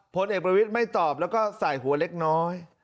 ผลเอกประวิทย์ไม่ตอบแล้วก็ใส่หัวเล็กน้อย